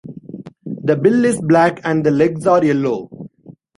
The bill is black and the legs are yellow.